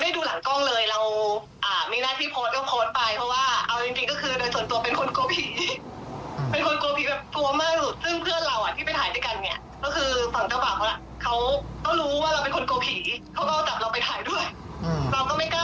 และมีแบบที่ว่าไม่สมควรนะ